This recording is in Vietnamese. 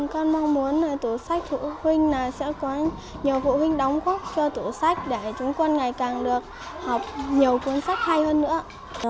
con mong muốn tủ sách phụ huynh sẽ có nhiều phụ huynh đóng góp cho tổ sách để chúng con ngày càng được học nhiều cuốn sách hay hơn nữa